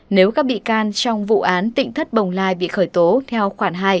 nếu các bị can trong vụ án tỉnh thất bồng lai bị khởi tố theo khoản hai